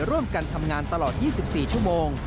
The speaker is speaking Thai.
ร่วมกันทำงานตลอด๒๔ชั่วโมง